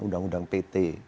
yang diberikan oleh